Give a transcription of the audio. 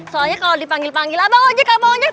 soalnya kalau dipanggil panggil abang ojek abang ojek